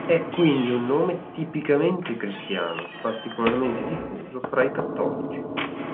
È quindi un nome tipicamente cristiano, particolarmente diffuso fra i cattolici.